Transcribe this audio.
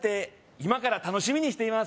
今から楽しみにしています